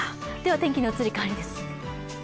天気の移り変わりです。